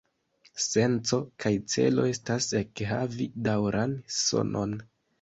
Senco kaj celo estas ekhavi daŭran sonon.